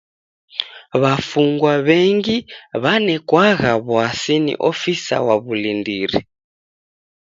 W'afungwa w'engi w'anekwagha w'asi ni ofisaa w'a w'ulindiri.